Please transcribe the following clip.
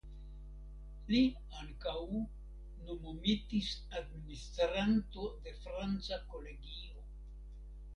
Li ankaŭ nomumitis administranto de Franca Kolegio.